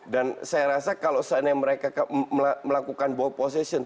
dan saya rasa kalau seandainya mereka melakukan ball position